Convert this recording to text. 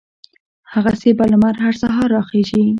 هغسې به لمر هر سهار را خېژي